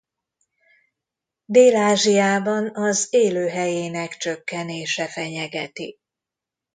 Dél-Ázsiában az élőhelyének csökkenése fenyegeti.